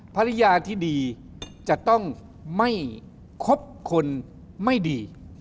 ภรรยาที่ดีจะต้องไม่คบคนไม่ดี